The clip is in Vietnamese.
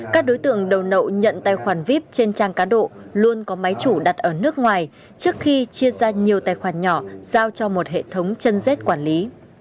các đối tượng đầu nậu nhận tài khoản vip trên trang cá độ luôn có máy chủ đặt ở nước ngoài trước khi chia ra nhiều tài khoản nhỏ giao cho một hệ thống chân dết quản lý